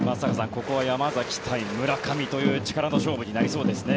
ここは山崎対村上という力の勝負になりそうですね。